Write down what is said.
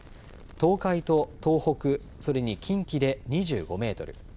東海と東北、それに近畿で２５メートル